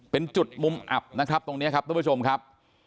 เป็นจุดมุมอับนะครับตรงนี้ครับทุกผู้ชมครับ